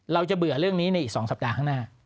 เบื่อเรื่องนี้ในอีก๒สัปดาห์ข้างหน้า